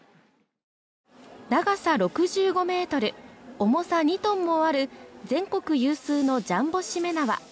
長さ６５ｍ、重さ２ｔもある全国有数のジャンボしめ縄。